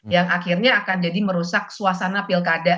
yang akhirnya akan jadi merusak suasana pilkada